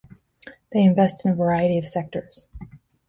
They invest in a variety of sectors.